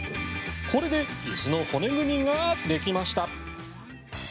これでいすの骨組みができました。